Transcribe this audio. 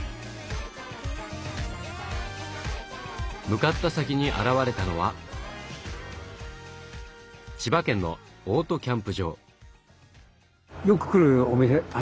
向かった先に現れたのは千葉県のオートキャンプ場。